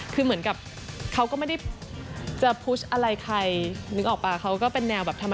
คือเหมือนกับเขาก็ไม่ได้จะพุชอะไรใคร